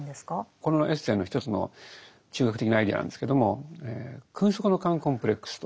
このエッセイの一つの中核的なアイデアなんですけども「君側の奸コンプレックス」と。